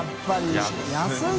安い。